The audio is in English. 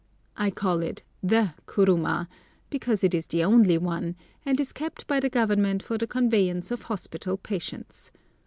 I call it the kuruma because it is the only one, and is kept by the Government for the conveyance of hospital patients.